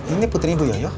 ini putri bu yoyo